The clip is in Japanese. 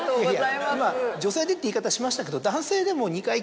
今「女性で」って言い方しましたけど。